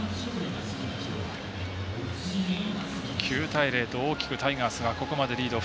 ９対０と大きくタイガースがここまでリード。